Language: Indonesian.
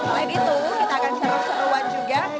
selain itu kita akan seru seruan juga